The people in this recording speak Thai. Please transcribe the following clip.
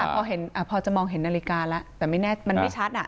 พี่ค่ะพอเห็นพอจะมองเห็นนาฬิกาแล้วแต่ไม่แน่มันไม่ชัดอ่ะ